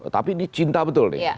tapi ini cinta betul nih